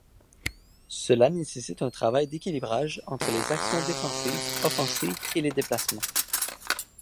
Cela nécessite un travail d'équilibrage entre les actions défensives, offensives et les déplacements.